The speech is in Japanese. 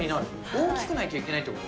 大きくないといけないってこと？